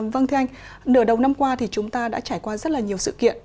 vâng thưa anh nửa đầu năm qua thì chúng ta đã trải qua rất là nhiều sự kiện